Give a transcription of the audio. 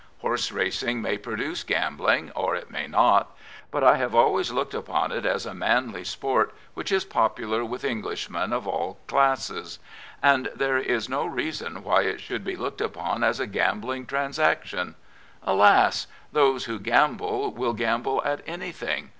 Horse racing may produce gambling or it may not, but I have always looked upon it as a manly sport which is popular with Englishmen of all classes; and there is no reason why it should be looked upon as a gambling transaction. Alas! those who gamble will gamble at anything.